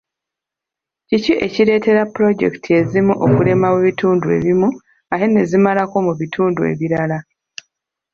Kiki ekireetera puloojekiti ezimu okulema mu bitundu ebimu ate ne zimalako mu bitundu ebirala?